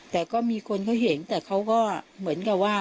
แต่ก็มีคนเขาเห็นแต่เขาก็เหมือนกับว่า